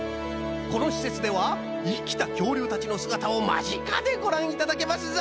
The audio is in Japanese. このしせつではいきたきょうりゅうたちのすがたをまぢかでごらんいただけますぞ。